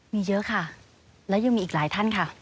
มีเยอะค่ะแล้วยังมีอีกหลายท่านค่ะ